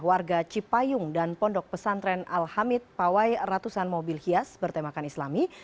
warga cipayung dan pondok pesantren al hamid pawai ratusan mobil hias bertemakan islami